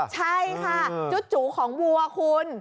ใช่ค่ะจุของวัวคุณ